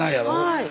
はい。